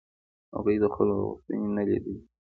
هغوی د خلکو غوښتنې نالیدلې کړې.